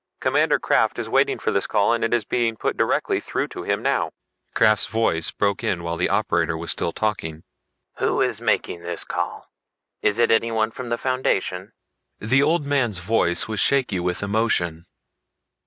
Commander Krafft is waiting for this call and it is being put directly through to him now." Krafft's voice broke in while the operator was still talking. "Who is making this call is it anyone from the Foundation?" The old man's voice was shaky with emotion.